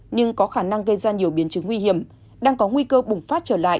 nhưng có khả năng gây ra nhiều biến chứng nguy hiểm đang có nguy cơ bùng phát trở lại